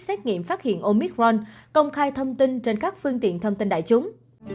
xét nghiệm phát hiện omicron công khai thông tin trên các phương tiện thông tin đại chúng